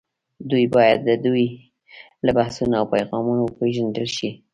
دوی باید د دوی له بحثونو او پیغامونو وپېژندل شي